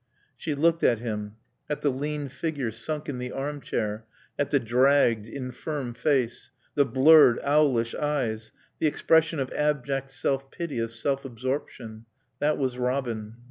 She looked at him, at the lean figure sunk in the armchair, at the dragged, infirm face, the blurred, owlish eyes, the expression of abject self pity, of self absorption. That was Robin.